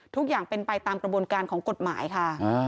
ทุกอย่างเป็นไปตามกระบวนการของกฎหมายค่ะ